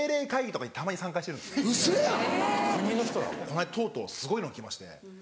この間とうとうすごいのが来まして。